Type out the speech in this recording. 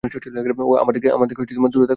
আমার থেকে দূরে থাকো।